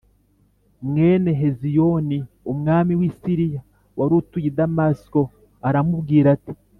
mwene Heziyoni umwami w’i Siriya wari utuye i Damasiko aramubwira ati